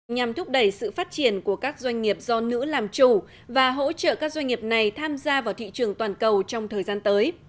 nhằm thúc đẩy sự phát triển của các doanh nghiệp do nữ làm chủ và hỗ trợ các doanh nghiệp này tham gia vào thị trường toàn cầu trong thời gian tới